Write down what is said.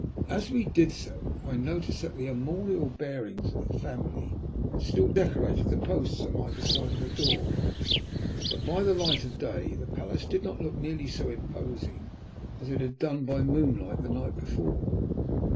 As we did so I noticed that the armorial bearings of the family still decorated the posts on either side of the door, but by the light of day the palace did not look nearly so imposing as it had done by moonlight the night before.